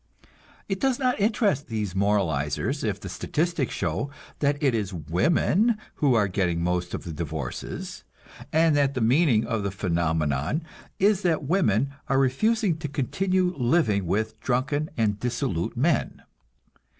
It does not interest these moralizers if the statistics show that it is women who are getting most of the divorces, and that the meaning of the phenomenon is that women are refusing to continue living with drunken and dissolute men.